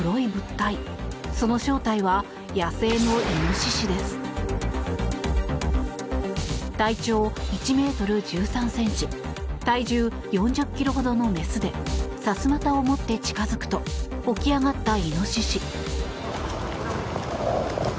体長１ｍ１３ｃｍ体重４０ｋｇほどの雌でさすまたを持って近付くと起き上がったイノシシ。